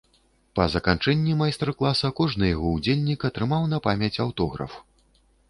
Па заканчэнні майстар-класа кожны яго ўдзельнік атрымаў на памяць аўтограф.